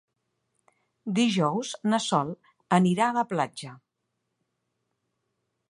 Dijous na Sol anirà a la platja.